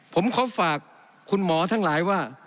ผมขอฝากคุณหมอทั้งหลายว่า